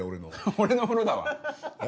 俺の風呂だわ！